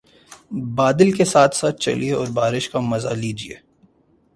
بادل کے ساتھ ساتھ چلیے اور بارش کا مزہ لیجئے